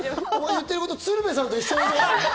言ってること鶴瓶さんと一緒だぞ。